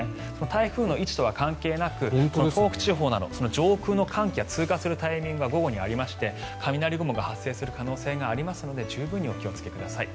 台風の位置とは関係なく東北地方など、上空の寒気が通過するタイミングが午後にありまして雷雲が発生する可能性がありますので十分にお気をつけください。